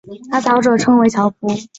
抬轿者称为轿夫。